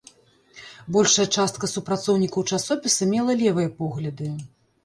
Большая частка супрацоўнікаў часопіса мела левыя погляды.